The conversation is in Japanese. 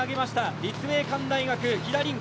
立命館大学飛田凛香